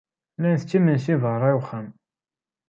La nttett imensi beṛṛa i wexxam.